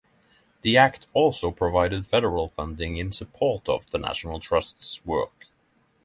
The Act also provided federal funding in support of the National Trust's work.